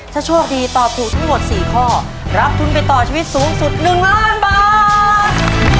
ถ้าโชคดีตอบถูกทั้งหมด๔ข้อรับทุนไปต่อชีวิตสูงสุด๑ล้านบาท